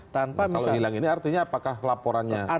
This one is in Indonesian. kalau hilang ini artinya apakah laporannya semakin transparan